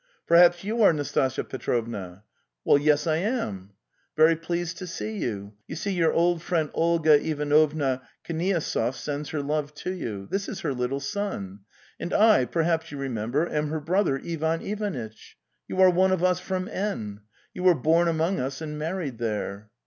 '" Perhaps you are Nastasya Petrovna?"' Si Weel ess Ti mail" Very) pleased to) see' you: 4) .\), Momisee,) your old friend Olga Ivanovna Knyasev sends her love to you. This is her little son. And I, perhaps you remember, am her brother Ivan Ivanitch. ... You are one of us from N. ... You were born among us/and married there